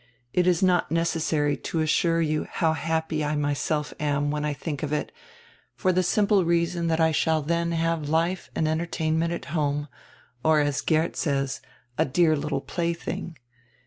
It is not necessary to assure you how happy I myself am when I think of it, for the simple reason that I shall then have life and entertainment at home, or, as Geert says, 'a dear little plaything.'